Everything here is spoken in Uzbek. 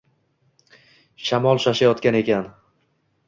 Shamol shoshayotgan ekan